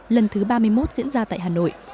lần thứ ba mươi một diễn ra tại hà nội